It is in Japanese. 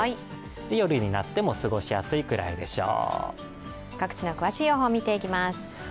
夜になっても過ごしやすいくらいでしょう。